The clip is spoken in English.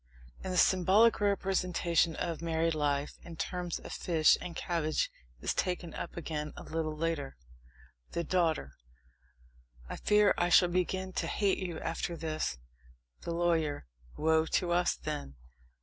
And the symbolic representation of married life in terms of fish and cabbage is taken up again a little later: THE DAUGHTER. I fear I shall begin to hate you after this! THE LAWYER. Woe to us, then!